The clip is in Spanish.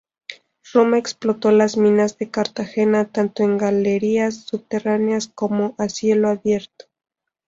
Roma explotó las minas de Cartagena tanto en galerías subterráneas como "a cielo abierto".